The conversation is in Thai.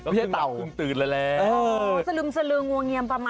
พี่เต่าคงตื่นแล้วแหละสลึมสลืองวงเงียมประมาณ